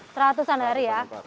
seratusan hari ya